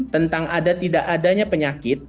tentang ada tidak adanya penyakit